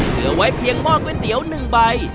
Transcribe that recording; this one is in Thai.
เหลือไว้เพียงหม้อก๋วยเตี๋ยว๑ใบ